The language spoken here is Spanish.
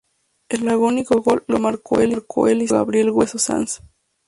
El agónico gol lo marcó el histórico Gabriel "Hueso" Saenz.